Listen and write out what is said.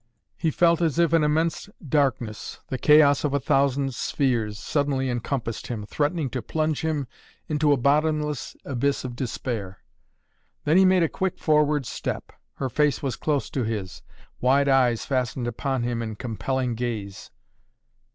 He felt as if an immense darkness, the chaos of a thousand spheres, suddenly encompassed him, threatening to plunge him into a bottomless abyss of despair. Then he made a quick forward step. Her face was close to his. Wide eyes fastened upon him in a compelling gaze.